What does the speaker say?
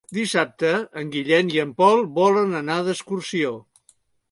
Dissabte en Guillem i en Pol volen anar d'excursió.